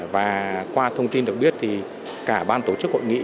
và qua thông tin được biết thì cả ban tổ chức hội nghị